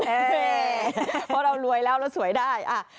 เพราะเรารวยแล้วเราสวยได้